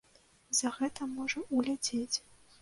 За гэта можа ўляцець.